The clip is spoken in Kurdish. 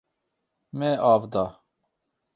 Me av da.